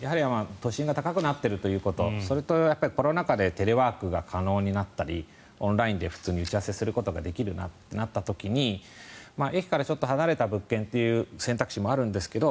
都心が高くなっているということそれとコロナ禍でテレワークが可能になったりオンラインで普通に打ち合わせができるようになった時に駅からちょっと離れた物件という選択肢もあるんですけど